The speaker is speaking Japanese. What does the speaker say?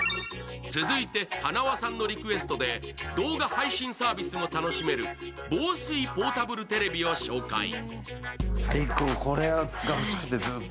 続いて、はなわさんのリクエストで動画配信サービスも楽しめる防水ポータブルテレビを紹介。